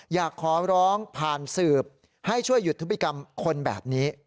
อยากขอร้องผ่านสืบให้ช่วยหยุดพฤติกรรมคนแบบนี้